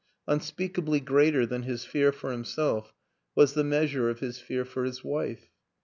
Unspeakably greater than his fear for himself was the measure of his fear for his wife.